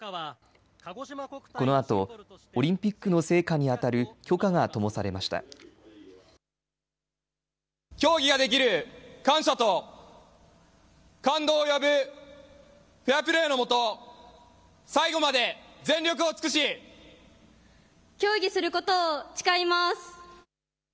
このあとオリンピックの聖火にあたる競技ができる感謝と感動を呼ぶフェアプレーのもと最後まで全力を尽くし競技することを誓います。